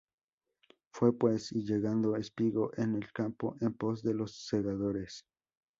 Fué pues, y llegando, espigó en el campo en pos de los segadores: